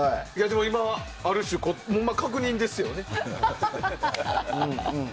今はある種、確認ですよね。